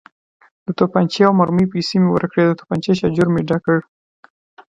د تومانچې او مرمیو پیسې مې ورکړې، د تومانچې شاجور مې ډک کړ.